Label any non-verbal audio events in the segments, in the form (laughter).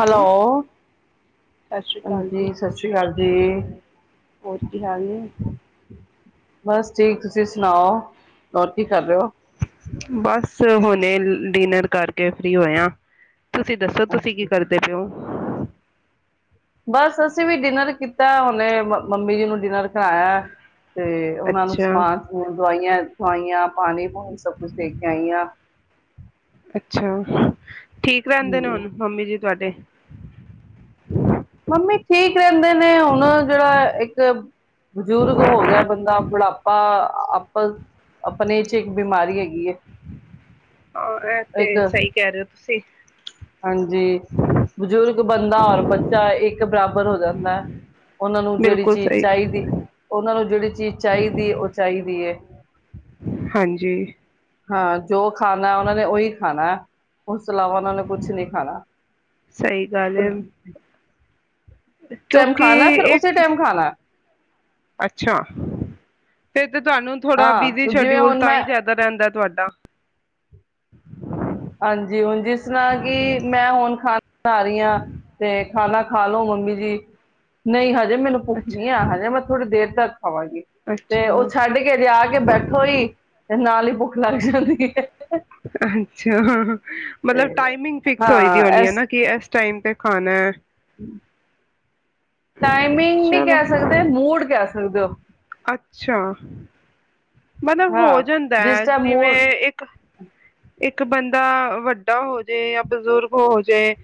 Hello ਸਤਿ ਸ਼੍ਰੀ ਅਕਾਲ ਜੀ ਹਾਂਜੀ ਸਤਿ ਸ਼੍ਰੀ ਅਕਾਲ ਜੀ। ਹੋਰ ਕਿ ਹਾਲ ਜੀ। ਬਸ ਠੀਕ ਤੁਸੀਂ ਸੁਣਾਓ ਹੋਰ ਕੀ ਕਰ ਰਹੇ ਹੋ। ਬਸ ਹੁਣੇ ਡਿਨਰ ਕਰਕੇ ਫਰੀ ਹੋਏਆ ਤੁਸੀਂ ਦੱਸੋ ਤੁਸੀਂ ਕੀ ਅੱਛਾ, ਕਰਦੇ ਪਏ ਹੋ। ਬਸ ਅਸੀਂ ਵੀ ਡਿਨਰ ਕੀਤਾ ਉਹਨੇ ਮੰਮੀ ਜੀ ਨੂੰ ਡਿਨਰ ਕਰਾਇਆ। ਤੇ ਉਹਨਾਂ ਨੂੰ ਅੱਛਾ ਸਮਾਨ ਸਮੂਨ ਦਵਾਈਆਂ। ਖਵਾਈਆਂ ਪਾਣੀ ਹੁਣ ਸਭ ਕੁੱਛ ਦੇਖ ਕੇ ਆਈ ਹਾਂ। (unintelligible) ਅੱਛਾ, ਠੀਕ ਰਹਿੰਦੇ ਨੇ ਹੁਣ ਹੂੰ, ਮੰਮੀ ਜੀ, ਤੁਹਾਡੇ ਮੰਮੀ ਤੇ, ਬਜ਼ੁਰਗ ਹੋ ਗਿਆ ਬੰਦਾ ਬੁਢਾਪਾ ਆਪਾਂ ਆਪਣੇ ਚ ਇੱਕ ਬਿਮਾਰੀ ਹੈਗੀ ਹੈ। ਆਹ ਤੇ ਇੱਕ ਸਹੀ ਕਹਿ ਰਹੇ ਹੋ, ਸੀ, ਹਾਂਜੀ ਬਜ਼ੁਰਗ ਬੰਦਾ ਔਰ ਬੱਚਾ ਇੱਕ ਬਰਾਬਰ ਹੋ ਜਾਂਦਾ ਉਹਨਾਂ ਨੂੰ ਜਿਹੜੀ ਬਿਲਕੁਲ ਚੀਜ਼ ਸਹੀ ਚਾਹੀਦੀ ਉਹਨਾਂ ਨੂੰ ਜਿਹੜੀ ਚੀਜ਼ ਚਾਹੀਦੀ ਉਹ ਚਾਹੀਦੀ ਹੈ। ਹਾਂਜੀ, ਹਾਂ ਜੋ ਖਾਣਾ ਉਹਨਾਂ ਨੇ ਉਹੀ ਖਾਣਾ, ਉਸ ਤੋਂ ਇਲਾਵਾ ਉਹਨਾਂ ਨੇ ਕੁਛ ਨੀ ਖਾਣਾ ਸਹੀ ਗੱਲ ਹੈ ਟਾਈਮ ਕਿਉਂਕਿ ਖਾਣਾ ਫਿਰ ਉਸੇ ਇੱਕ ਟਾਈਮ ਖਾਣਾ ਅੱਛਾ ਫੇਰ ਤੇ ਤੁਹਾਨੂੰ ਥੋੜਾ ਬਿਜੀ ਹਾਂ ਜਿਵੇਂ ਸ਼ਡਿਊਲ ਹੁਣ ਤਾਂ ਮੈਂ ਹੀ ਜ਼ਿਆਦਾ ਰਹਿੰਦਾ ਤੁਹਾਡਾ (inaudible) ਹਾਂਜੀ ਹੁਣ ਜਿਸ ਤਰ੍ਹਾਂ ਕਿ ਮੈਂ ਹੁਣ ਖਾਣਾ ਬਣਾ ਰਹੀ ਹਾਂ ਤੇ, ਖਾਣਾ ਖਾ ਲੋੋ ਮੰਮੀ ਜੀ ਨਹੀਂ ਹ ਜੇ ਮੈਨੂੰ ਭੱਖੀ ਅੱਛਾ ਆ ਹਜੇ ਮੈਂ ਥੋੜ੍ਹੀ ਦੇਰ (unintelligible) ਖਾਵਾਂਗੀ ਤੇ ਅੱਛਾ ਉਹ ਛੱਡ ਕੇ ਲਿਆ ਕੇ ਬੈਠੋ ਹੀ ਤੇ ਨਾਲ ਹੀ ਭੁੱਖ ਲੱਗ ਜਾਂਦੀ ਐ। ਹਾਂ-ਹਾਂ, ਮਤਲਬ ਟਾਈਮਿੰਗ ਫਿਕਸ ਹੋਈ ਦੀ ਹਾਂ ਹੋਣੀ ਇਸ ਏਨਾ ਕਿ ਐਸ ਟਾਈਮ ਤੇ ਖਾਣੈ। ਟਾਈਮਿੰਗ ਨੀ ਕੈ ਸਕਦੇ, ਮੂਡ ਕੈ ਸਕ ਦੇ ਔ। ਅੱਛਾ ਮਤਲਬ ਹੋ ਹਾਂ ਜਾਂਦਾ, ਜਿਸ ਟਾਈਮ ਜਿਵੇਂ ਮੂਡ ਇੱਕ ਇੱਕ ਬੰਦਾ ਵੱਡਾ ਹੋ ਜੇ ਯਾ ਬਜ਼ੁਰਗ ਹੋ ਜੇ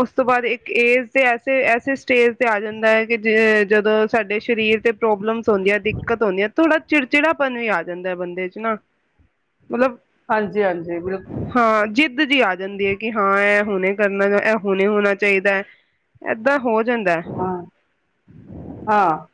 ਉਸ ਤੋਂ ਬਾਦ ਇੱਕ ਏਜ ਤੇ ਐਸੇ ਐਸੇ ਸਟੇਜ ਤੇ ਆ ਜਾਂਦਾ, ਕਿ ਜ ਜਦੋਂ ਸਾਡੇ ਸਰੀਰ ਤੇ ਪ੍ਰੋਬਲਮਸ ਹੁੰਦੀਐ ਦਿੱਕਤ ਹੋਦੀ ਐ, ਥੋੜ੍ਹਾ ਚਿੜਚਿੜਾਪਨ ਵੀ ਆ ਜਾਂਦਾ ਬੰਦੇ ਚ ਨਾ। ਮਤਲਬ ਹਾਂਜੀ-ਹਾਂਜੀ, ਬਿਲ ਹਾਂ ਜਿੱਦ ਜੀ ਆ ਜਾਂਦੀ ਏ, ਕਿ ਹਾਂ ਐ ਹੁਣੇ ਕਰਨੈ ਐ ਹੁਣੇ ਹੋਣਾ ਚਾਹੀਦੈ, ਏਦਾਂ ਹੋਰ ਹਾਂ-ਹਾਂ,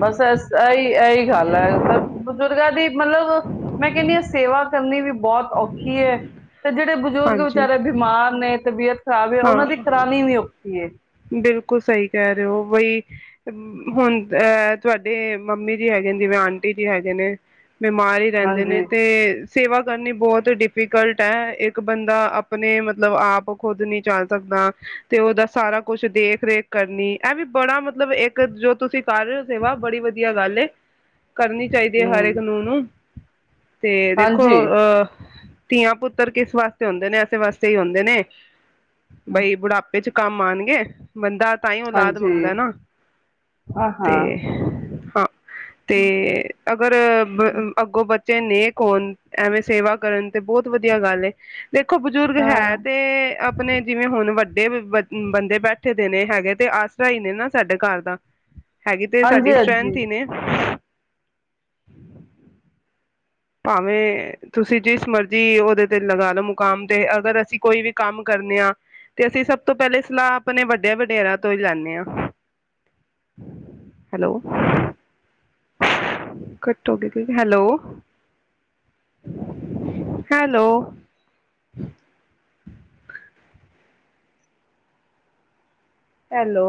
ਬਸ ਏਸ ਸਈ ਐਹੀ ਗੱਲ ਹੈ, ਪਰ ਬਜ਼ੁਰਗਾਂ ਦੀ ਮਤਲਬ ਮੈਂ ਕੈੰਦੀ ਆਂ ਸੇਵਾ ਕਰਨੀ ਵੀ ਬੌਤ ਔਖੀ ਏ, ਤੇ ਜੇੜੇ ਬਜ਼ੁਰਗ ਹਾਂਜੀ ਵਿਚਾਰੇ ਬਿਮਾਰ ਨੇ ਤਬੀਅਤ ਖਰਾਬ ਏ ਓਨਾਂ ਦੀ ਕਰਾਣੀ ਵੀ ਔਖੀ ਏ। ਬਿਲ ਬਿਲਕੁਲ ਸਹੀ ਕੈ ਰੇਔ, ਵਈ ਹੁਨ ਅਹ ਤੁਹੈਡੇ ਮੰਮੀ ਜੀ ਹੈਗੇ ਨੇ ਜਿਵੇਂ, ਆਂਟੀ ਜੀ ਹੈਗੇ ਨੇ ਬਿਮਾਰ ਈ ਰੈੰਦੇ ਨੇ ਹਾਂਜੀ ਤੇ ਸੇਵਾ ਕਰਨੀ ਬੌਤ ਡਿਫੀਕਲਟ ਐ, ਏਕ ਬੰਦਾ ਅਪਨੇ ਮਤਲਬ, ਆਪ ਖੁਦ ਨੀ ਚੱਲ ਸਕਦਾ, ਤੇ ਓਦਾ ਸਾਰਾ ਕੁਛ ਦੇਖ-ਰੇਖ ਕਰਨੀ, ਐ ਵੀ ਬੜਾ ਮਤਲਬ ਏਕ ਜੋ ਤੁਸੀਂ ਕਰ ਰੇਔ ਸੇਵਾ, ਬੜੀ ਵਧੀਆ ਗੱਲ ਏ। ਕਰਨੀ ਚਾਈਦੀ ਏ, ਹਰ ਏਕ ਹੂੰ ਨੂੰਹ ਨੂੰ। ਤੇ ਦੇਖੋ ਹਾਂਜੀ ਅਹ ਧੀਆਂ ਪੁੱਤਰ ਕਿਸ ਵਾਸਤੇ ਹੁੰਦੇ ਨੇ, ਐਸੇ ਵਾਸਤੇ ਹੀ ਹੁੰਦੇ ਨੇ। ਬਈ ਬੁਢਾਪੇ ਚ ਕੰਮ ਆਣਗੇ। ਬੰਦਾ ਤਾਂ ਈ ਔਲਾਦ ਹਾਂਜੀ ਮੰਗਦੈ ਨਾ ਹਾਂ ਤੇ ਹਾਂ ਅ ਤੇ ਅਗਰ ਬ ਅੱਗੋਂ ਬਚ ਚੇ ਨੇਕ ਹੋਣ, ਐਵੇਂ ਸੇਵਾ ਕਰਨ, ਤੇ ਬੌਤ ਵਧੀਆ ਗੱਲ ਏ। ਦੇਖੋ ਬਜ਼ੁਰਗ ਹੈ ਹਾਂ, ਤੇ ਅਪਣੇ, ਜਿਵੇਂ ਹੁਣ ਵੱਡੇ ਬ ਬੰਦੇ ਬੈਠ ਠੇ ਦੇਣੇ ਹੈਗੇ ਤੇ ਆਸਰਾ ਈ ਨੇ ਨਾ ਸਾਡੇ ਘਰ ਦਾ। (inaudible) ਹੈਗੀ ਤੇ ਸਾਡੀ ਹਾਂਜੀ ਸਟਰ੍ਰੈਂਥ ਹਾਂਜੀ ਹੀ ਨੇ। ਭਾਵੇਂ ਤੁਸੀਂ ਜਿਸ ਮਰਜ਼ੀ ਉਹਦੇ ਤੇ ਲਗਾ ਲਓ ਮੁਕਾਮ ਤੇ, ਅਗਰ ਅਸੀਂ ਕੋਈ ਵੀ ਕੰਮ ਕਰਨੇ ਹਾਂ, ਤੇ ਅਸੀਂ ਸਭ ਤੋਂ ਪਹਿਲੇ ਸਲਾਹ ਆਪਣੇ ਵੱਡੇ ਵਡੇਰੇਆ ਤੋਂ ਹੀ ਲੈਂਦੇ ਹਾਂ। ਹੈਲੋ। Hello, hello. ਹੈਲੋ